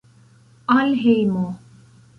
Al hejmo!